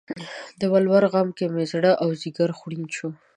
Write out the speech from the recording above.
د ولور غم کې مې زړه او ځیګر خوړین شو